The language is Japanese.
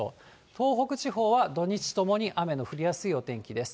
東北地方は土日ともに雨の降りやすいお天気です。